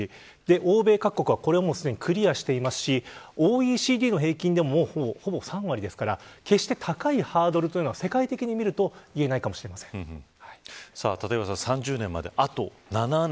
欧米各国はこれをすでにクリアしていますしＯＥＣＤの平均でも３割ですから決して高いハードルとは世界的に見ると立岩さん、３０年まであと７年。